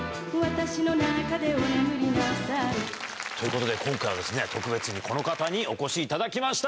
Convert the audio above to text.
ということで、今回はですね、特別にこの方にお越しいただきました。